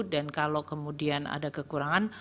dan kalau kemudian ada kekurangan